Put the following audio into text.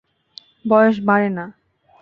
বয়স বাড়ে না।